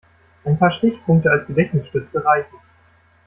Ein paar Stichpunkte als Gedächtnisstütze reichen.